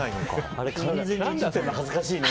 あれ完全に映ってるの恥ずかしいね。